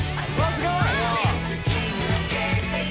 すごい！